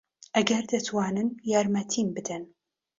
ئەگەر دەتوانن یارمەتیم بدەن.